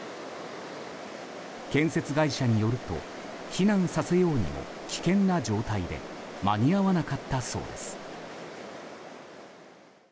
建設会社によると避難させようにも危険な状態で間に合わなかったそうです。